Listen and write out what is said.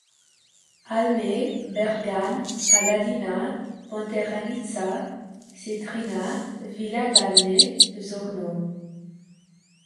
Almè, Bergame, Paladina, Ponteranica, Sedrina, Villa d'Almè, Zogno.